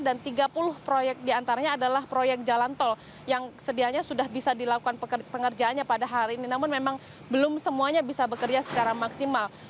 dan tiga puluh proyek di antaranya adalah proyek jalan tol yang sedianya sudah bisa dilakukan pekerjaannya pada hari ini namun memang belum semuanya bisa bekerja secara maksimal